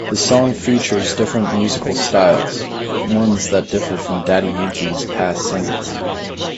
The song features different musical styles, ones that differ from Daddy Yankee's past singles.